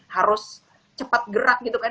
harus cepat gerak gitu kan